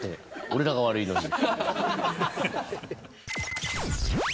俺らが悪いのに。